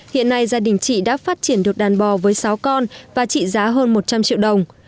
hiện nay gia đình chị đã phát triển được đàn bò với sáu con và trị giá hơn một trăm linh triệu đồng